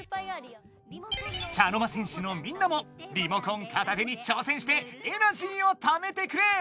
茶の間戦士のみんなもリモコン片手に挑戦してエナジーをためてくれ！